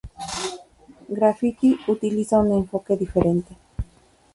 Graffiti utiliza un enfoque diferente.